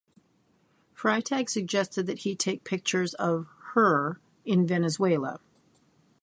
Freytag suggested that he take pictures of "her" in Venezuela.